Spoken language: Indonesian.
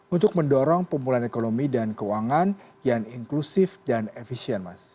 untuk mendorong pemulihan ekonomi dan keuangan yang inklusif dan efisien mas